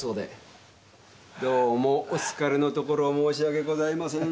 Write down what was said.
どうもお疲れのところ申し訳ございません。